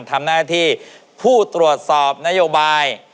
ทำหน้าที่ผู้ตรวจสอบนโยบาย